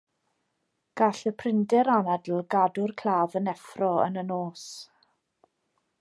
Gall y prinder anadl gadw'r claf yn effro yn y nos.